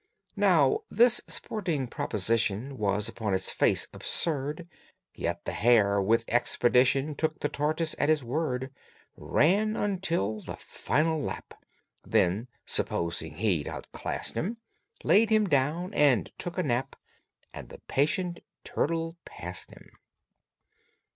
Now this sporting proposition Was, upon its face, absurd; Yet the hare, with expedition, Took the tortoise at his word, Ran until the final lap, Then, supposing he'd outclassed him, Laid him down and took a nap And the patient turtle passed him!